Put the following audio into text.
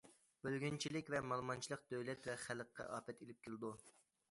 بۆلگۈنچىلىك ۋە مالىمانچىلىق دۆلەت ۋە خەلققە ئاپەت ئېلىپ كېلىدۇ.